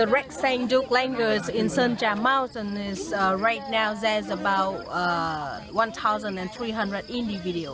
red shag doak lenge di sontra mawson sekarang ada sekitar satu tiga ratus individu